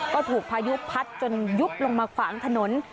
ก็ถูกพายุพัดจนยุบลงมาขวางถนน